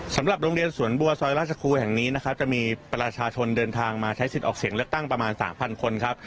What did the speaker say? สำหรับโรงเรียนสวนบัวซอยราชครูแห่งนี้นะครับจะมีประชาชนเดินทางมาใช้สิทธิ์ออกเสียงเลือกตั้งประมาณ๓๐๐คนครับ